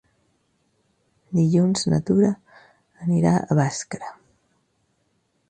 Dilluns na Tura anirà a Bàscara.